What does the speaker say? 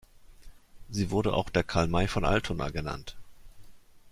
Sie wurde auch der „Karl May von Altona“ genannt.